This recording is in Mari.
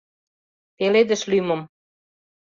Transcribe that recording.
— Пеледыш лӱмым...